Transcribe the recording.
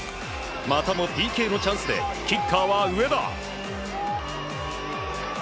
またもピークのチャンスでキッカーは上田。